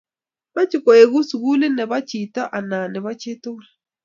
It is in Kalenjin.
moch koeku sukulit nebo chito anan nebo chitokul